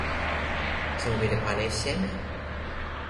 sina wile pali e seme?